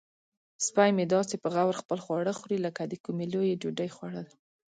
سپی مې داسې په غور خپل خواړه خوري لکه د کومې لویې ډوډۍ خوړل.